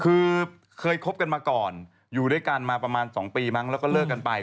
คือเคยคบกันมาก่อนอยู่ด้วยกันมาประมาณ๒ปีมั้งแล้วก็เลิกกันไป